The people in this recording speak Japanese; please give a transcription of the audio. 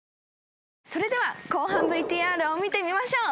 それでは後半ＶＴＲを見てみましょう。